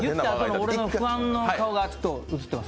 俺の不安の顔が映っています。